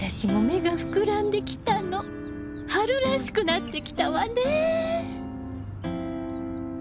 春らしくなってきたわね！